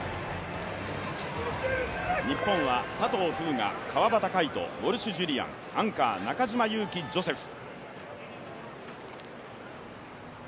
日本は、佐藤風雅、川端魁人、ウォルシュ・ジュリアンアンカー、中島佑気ジョセフ。